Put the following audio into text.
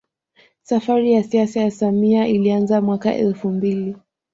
Safari ya siasa ya samia ilianza mwaka elfu mbili